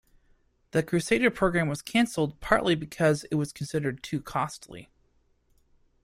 The Crusader program was cancelled, partly because it was considered too costly.